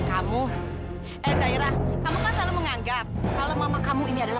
sampai jumpa di video selanjutnya